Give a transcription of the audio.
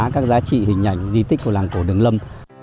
các giá trị hình ảnh di tích của làng cổ đường lâm